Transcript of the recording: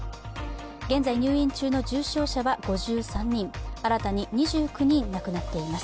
現在入院中の重症者は５３人、新たに２９人亡くなっています。